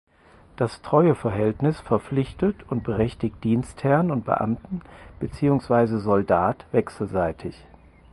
Das Treueverhältnis verpflichtet und berechtigt Dienstherrn und Beamten beziehungsweise Soldat wechselseitig.